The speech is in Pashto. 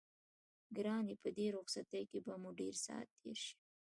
ګرانه په دې رخصتۍ کې به مو ډېر ساعت تېر شي.